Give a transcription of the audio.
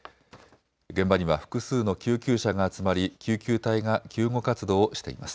現場には複数の救急車が集まり救急隊が救護活動をしています。